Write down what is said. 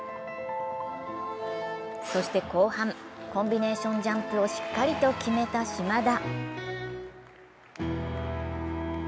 そして後半、コンビネーションジャンプをしっかりと決めた島田。